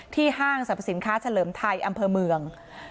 ห้างสรรพสินค้าเฉลิมไทยอำเภอเมือง